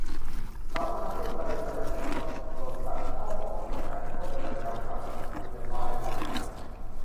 เขากำลังพูดประเด็นอะไรเหรอครับ ตอนโดนตัด พ่อบอกว่ามันกลายเป็นโฆษณายาว กลับมาอีกทีเป็นรายการใหม่